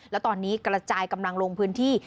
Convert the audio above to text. แล้วตอนนี้กระจายกำลังลงพื้นที่